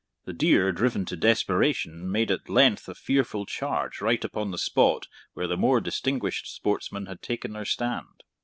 The deer, driven to desperation, made at length a fearful charge right upon the spot where the more distinguished sportsmen had taken their stand.